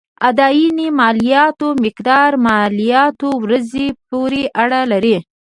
اداينې مالياتو مقدار مالياتو ورځې پورې اړه لري.